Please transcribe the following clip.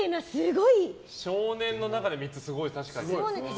少年の中で３つ、すごい。